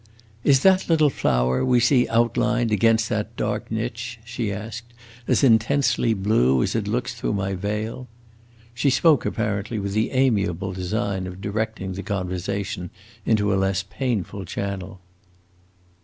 "Is that little flower we see outlined against that dark niche," she asked, "as intensely blue as it looks through my veil?" She spoke apparently with the amiable design of directing the conversation into a less painful channel.